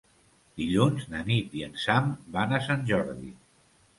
Dilluns na Nit i en Sam van a Sant Jordi.